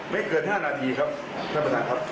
ไม่เกิน๕นาทีครับท่านประธานครับ